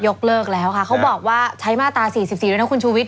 เลิกแล้วค่ะเขาบอกว่าใช้มาตรา๔๔ด้วยนะคุณชูวิท